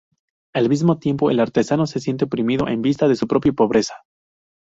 Al mismo tiempo, el artesano se siente oprimido en vista de su propia pobreza.